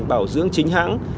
bảo dưỡng chính hãng